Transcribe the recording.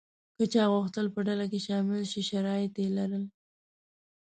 که چا غوښتل په ډله کې شامل شي شرایط یې لرل.